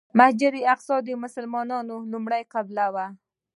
مسجد الاقصی د مسلمانانو لومړنۍ قبله وه.